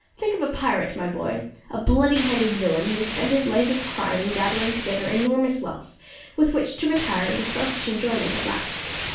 Think of a pirate, my boy, a bloody handed villain, who has spent his life of crime in gathering together enormous wealth, with which to retire into selfish enjoyment at last.